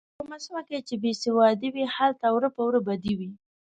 په کومه سیمه کې چې بې سوادي وي هلته وره په وره بدي وي.